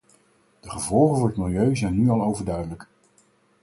De gevolgen voor het milieu zijn nu al overduidelijk.